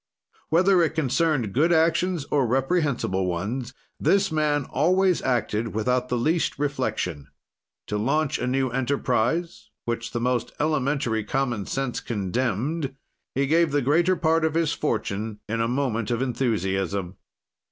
"Whether it concerned good actions or reprehensible ones, this man always acted without the least reflection. "To launch a new enterprise, which the most elementary common sense condemned, he gave the greater part of his fortune in a moment of enthusiasm.